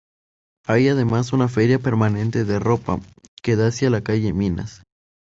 Hay además una feria permanente de ropa, que da hacia la calle Minas.